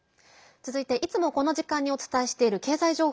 続いて、いつもこの時間にお伝えしている経済情報。